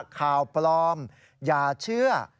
ข่าวปลอมอย่าเชื่อ